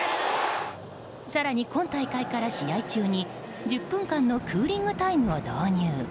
更に今大会から試合中に１０分間のクーリングタイムを導入。